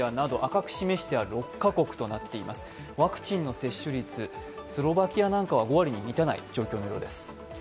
ワクチンの接種率、スロバキアなんかは５割に満たない状況です。